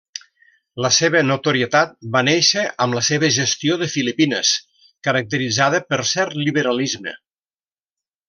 La seva notorietat va néixer amb la seva gestió de Filipines, caracteritzada per cert liberalisme.